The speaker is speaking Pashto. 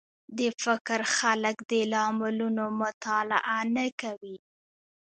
د فکر خلک د لاملونو مطالعه نه کوي